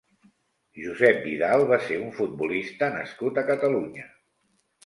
Josep Vidal va ser un futbolista nascut a Catalunya.